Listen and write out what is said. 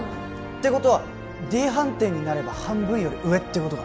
てことはＤ判定になれば半分より上ってことか？